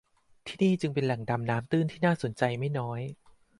ที่นี่จึงเป็นแหล่งดำน้ำตื้นที่น่าสนใจไม่น้อย